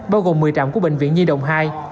bao gồm một mươi trạm của bệnh viện nhi đồng hai